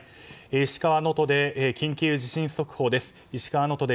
石川・能登で緊急地震速報です。